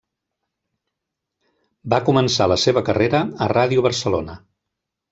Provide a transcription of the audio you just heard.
Va començar la seva carrera a Ràdio Barcelona.